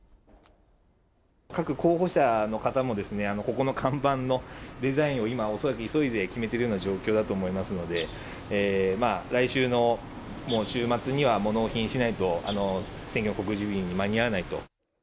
各候補者の方も、ここの看板のデザインを今、恐らく急いで決めてるような状況だと思いますので、来週の週末には納品しないと、選挙の告示日に間に合わないと。